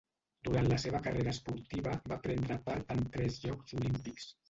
Durant la seva carrera esportiva va prendre part en tres Jocs Olímpics.